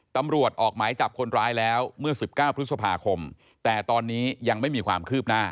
ตำรวจออกหมายจับคนร้ายแล้วเมื่อ๑๙พฤษภาคมแต่ตอนนี้ยังไม่มีความคืบหน้า